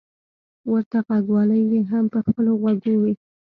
ورته غوږوالۍ يې هم په خپلو غوږو وې.